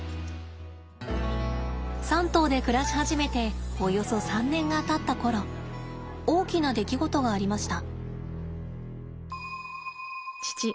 ３頭で暮らし始めておよそ３年がたった頃大きな出来事がありました。